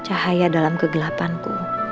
cahaya dalam kegelapanku